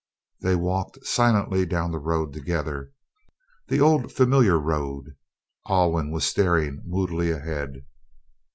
They walked silently down the road together the old familiar road. Alwyn was staring moodily ahead.